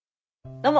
「どうも！